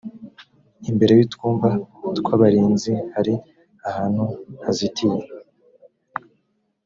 imbere y’utwumba tw’abarinzi hari ahantu hazitiye